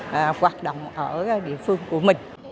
và hoạt động ở địa phương của mình